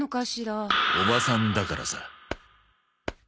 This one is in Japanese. おばさんだからさ。